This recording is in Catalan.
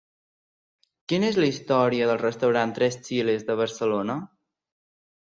Quina és la història del restaurant Tres Chiles de Barcelona?